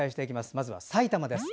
まずは埼玉です。